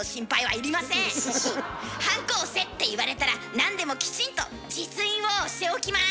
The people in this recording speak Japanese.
はんこ押せって言われたらなんでもきちんと実印を押しておきます。